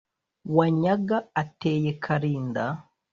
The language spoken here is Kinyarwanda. wanyaga ateye karinda